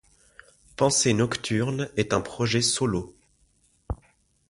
Pensées Nocturnes est un projet solo.